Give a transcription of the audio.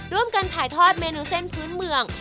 ร่วมกันถ่ายทอดเมนูเส้นพื้นเมือง